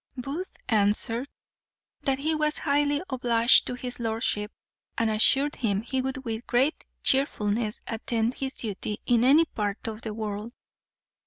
Booth answered, "That he was highly obliged to his lordship, and assured him he would with great chearfulness attend his duty in any part of the world.